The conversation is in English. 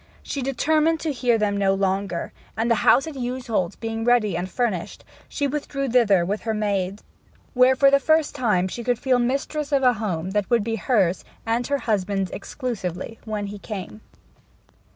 She determined to hear them no longer; and the house at Yewsholt being ready and furnished, she withdrew thither with her maids, where for the first time she could feel mistress of a home that would be hers and her husband's exclusively, when he came.